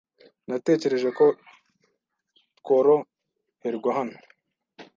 Natekereje ko tworoherwa hano.